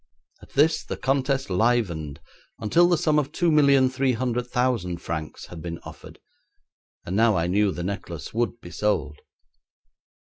At this the contest livened until the sum of two million three hundred thousand francs had been offered, and now I knew the necklace would be sold.